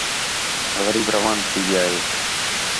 غریب روان تھی ڳِیا ہِے